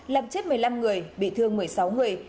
làm chết một mươi năm người bị thương một mươi sáu người